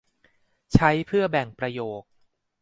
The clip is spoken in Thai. ใช้เพื่อแบ่งประโยค